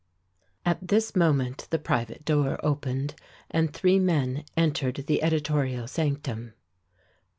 At this moment the private door opened, and three men entered the editorial sanctum.